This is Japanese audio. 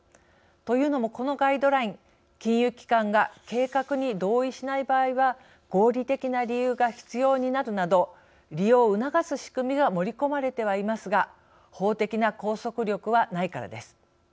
というのもこのガイドライン金融機関が計画に同意しない場合は合理的な理由が必要になるなど利用を促す仕組みが盛り込まれてはいますが法的な拘束力はないからです。